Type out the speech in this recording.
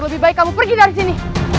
lebih baik kamu pergi dari sini